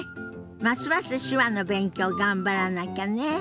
ますます手話の勉強頑張らなきゃね。